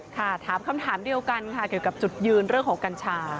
ค่ะถามคำถามเดียวกันค่ะเกี่ยวกับจุดยืนเรื่องของกัญชา